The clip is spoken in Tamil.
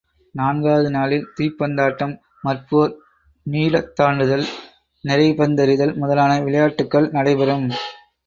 நான்காவது நாளில் தீப்பந்தாட்டம், மற்போர், நீளத்தாண்டுதல், நிறைப்பந்தெறிதல் முதலான விளையாட்டுக்கள் நடைபெறும்.